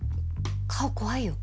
顔怖いよ。